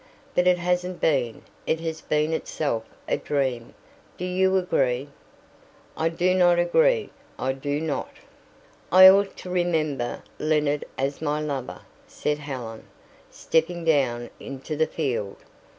But it hasn't been; it has been itself a dream. Do you agree?" "I do not agree. I do not." "I ought to remember Leonard as my lover," said Helen, stepping down into the field.